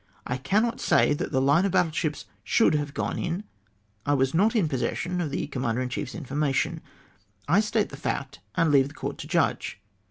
I cannot say that the line of battle ships should have gone in; I was not in possession of the Commander in chiefs infor mation. I state the fact, and leave the Court to judge.